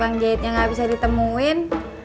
kalau tukang jahitnya gak bisa ditemuin